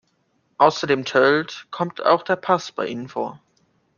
Außer dem Tölt kommt auch der Pass bei ihnen vor.